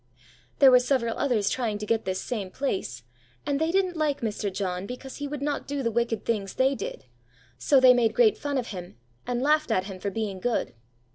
There were several others trying to get this same place, and they didn't like Mr. John because he would not do the wicked things they did, so they made great fun of him, and laughed at him for being good.